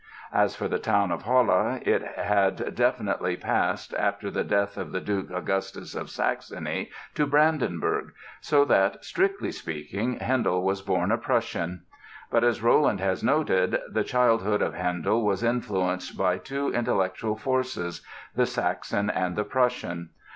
As for the town of Halle, it had definitely passed after the death of the Duke Augustus of Saxony, to Brandenburg; so that, strictly speaking, Handel was born a Prussian. But, as Rolland has noted, "the childhood of Handel was influenced by two intellectual forces: the Saxon and the Prussian.